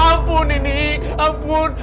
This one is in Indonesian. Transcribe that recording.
ampun ini ampun